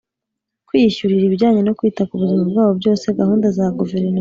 kwiyishyurira ibijyanye no kwita ku buzima bwabo byose Gahunda za guverinoma